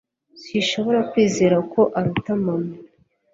sinshobora kwizera ko aruta mama